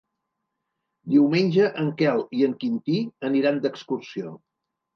Diumenge en Quel i en Quintí aniran d'excursió.